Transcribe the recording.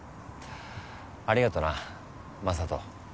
ありがとな眞人。